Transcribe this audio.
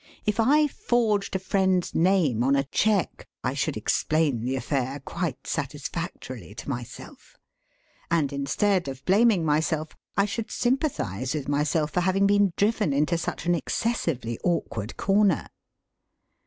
If I forged a friend's name on a cheque I should explain the affair quite satisfactorily to myself. And instead of blaming myself I should sympathise with myself for having been driven into such an excessively awkward corner.